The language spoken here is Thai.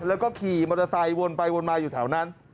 แล้วก็ขี่มอเตอร์ไซค์วนไปวนมาอยู่แถวนั้น